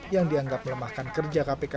yang dianggap melemahkan kerja kpk